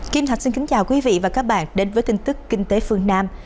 kim thạch xin kính chào quý vị và các bạn đến với tin tức kinh tế phương nam